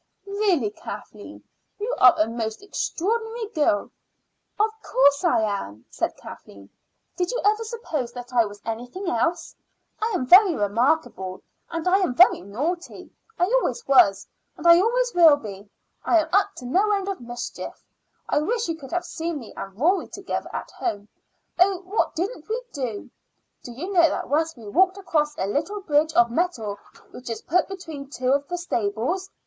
"Really, Kathleen, you are a most extraordinary girl." "Of course I am," said Kathleen. "Did you ever suppose that I was anything else? I am very remarkable, and I am very naughty. I always was, and I always will be. I am up to no end of mischief. I wish you could have seen me and Rory together at home. Oh, what didn't we do? Do you know that once we walked across a little bridge of metal which is put between two of the stables?